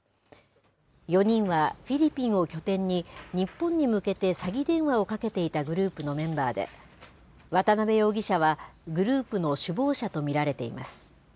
４人はフィリピンを拠点に、日本に向けて詐欺電話をかけていたグループのメンバーで、渡邉容疑者は、グループの首謀者と見られています。